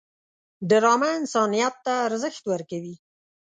ډرامه انسانیت ته ارزښت ورکوي